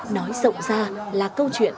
nói rộng ra là câu chuyện